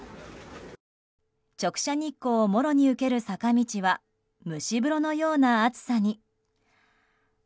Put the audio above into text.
直射日光をもろに受ける坂道は蒸し風呂のような暑さに。